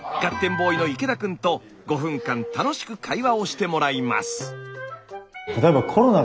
ボーイの池田くんと５分間楽しく会話をしてもらいます。